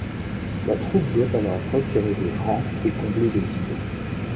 La troupe doit alors resserrer les rangs et combler les vides.